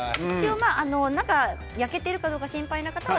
中が焼けているか心配な方は。